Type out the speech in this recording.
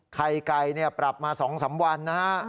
ไข่ไก่ปรับมา๒๓วันนะฮะ